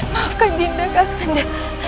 maafkan dinda kakanda